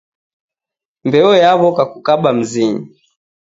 Mbeo yawoka kukaba mzinyi